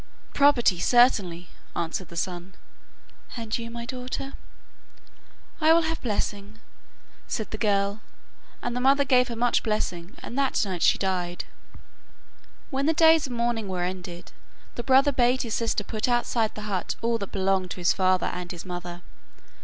'Property, certainly,' answered the son. 'And you, my daughter?' 'I will have blessing,' said the girl; and her mother gave her much blessing, and that night she died. When the days of mourning were ended, the brother bade his sister put outside the hut all that belonged to his father and his mother.